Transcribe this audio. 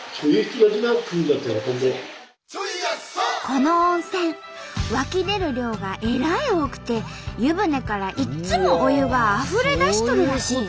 この温泉湧き出る量がえらい多くて湯船からいっつもお湯があふれ出しとるらしい。